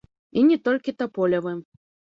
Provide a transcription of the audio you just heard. І не толькі таполевы.